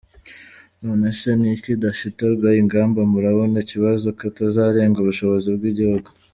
None se nikidafatirwa ingamba murabona ikibazo kitazarenga ubushobozi bw’igihugu.